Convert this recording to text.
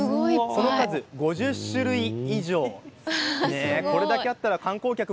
その数、５０種類以上。